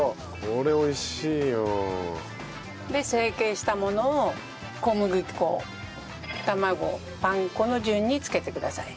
これ美味しいよ。で成形したものを小麦粉卵パン粉の順に付けてください。